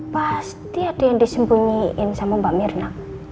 pasti ada yang disembunyiin sama mbak mirna